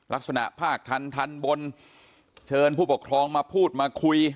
ภาคทันทันบนเชิญผู้ปกครองมาพูดมาคุย